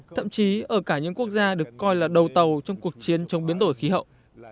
thậm chí ở cả những quốc gia được coi là đầu tàu trong cuộc chiến chống biến đổi khí hậu